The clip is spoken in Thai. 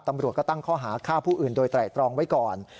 ตำรวจก็ตั้งข้อหาฆ่าผู้อื่นโดยไตรตรองไว้ก่อน